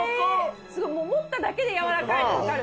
持っただけでやわらかいの分かる。